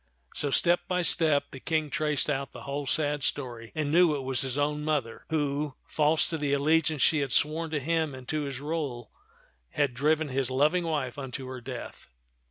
So, step by step, the King traced out the whole sad story, and knew it was his own mother who, false to the allegiance she had sworn to him and to his rule, had driven his loving wife unto her death.